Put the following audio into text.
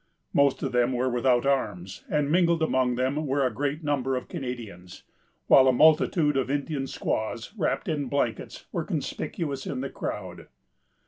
Most of them were without arms, and mingled among them were a great number of Canadians, while a multitude of Indian squaws, wrapped in blankets, were conspicuous in the crowd.